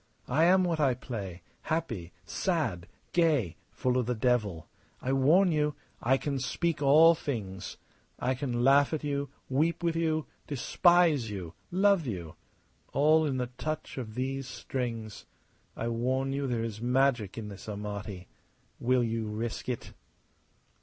I am what I play happy, sad, gay, full of the devil. I warn you. I can speak all things. I can laugh at you, weep with you, despise you, love you! All in the touch of these strings. I warn you there is magic in this Amati. Will you risk it?"